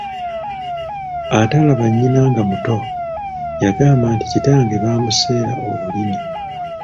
Ataalaba nnyina nga muto, yagamba nti kitange baamuseera olulimi.